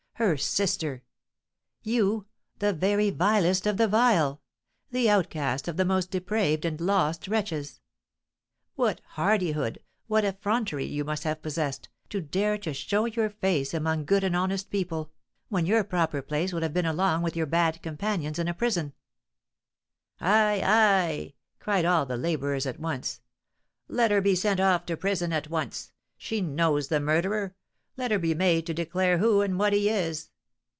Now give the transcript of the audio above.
Her sister! You the very vilest of the vile! the outcast of the most depraved and lost wretches! What hardihood, what effrontery you must have possessed, to dare to show your face among good and honest people, when your proper place would have been along with your bad companions in a prison!" "Ay, ay!" cried all the labourers at once; "let her be sent off to prison at once. She knows the murderer! Let her be made to declare who and what he is."